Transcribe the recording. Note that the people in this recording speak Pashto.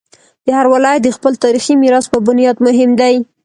د هرات ولایت د خپل تاریخي میراث په بنیاد مهم دی.